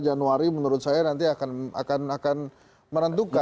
januari menurut saya nanti akan menentukan